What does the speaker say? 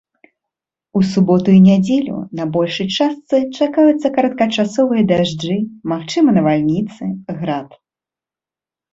У суботу і нядзелю на большай частцы чакаюцца кароткачасовыя дажджы, магчымыя навальніцы, град.